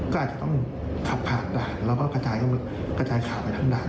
ก็อาจจะต้องขับผ่านด้านแล้วก็กระจายกระจายขาดไปทำด่าน